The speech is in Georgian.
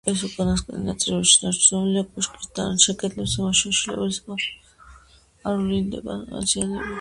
ეს უკანასკნელი ნაწილობრივ შენარჩუნებულია კოშკის დანარჩენ კედლებზე; მოშიშვლებული საპირე წყობაზე არ ვლინდება დაზიანებები.